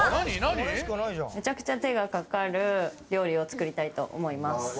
めちゃくちゃ手がかかる料理を作りたいと思います。